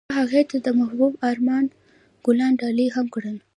هغه هغې ته د محبوب آرمان ګلان ډالۍ هم کړل.